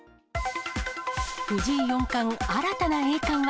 藤井四冠、新たな栄冠は？